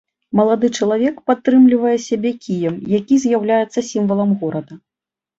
Малады чалавек падтрымлівае сябе кіем, які з'яўляецца сімвалам горада.